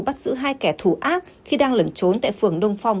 bắt giữ hai kẻ thù ác khi đang lẩn trốn tại phường đông phong